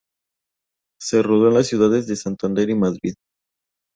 Se rodó en las ciudades de Santander y Madrid.